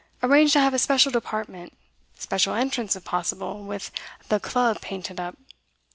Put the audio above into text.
Arrange to have a special department special entrance, if possible with "The Club" painted up.